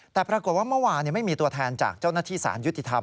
แต่ปรากฏว่าเมื่อวานไม่มีตัวแทนจากเจ้าหน้าที่สารยุติธรรม